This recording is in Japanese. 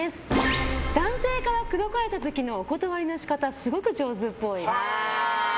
男性から口説かれた時のお断りの仕方すごく上手っぽい。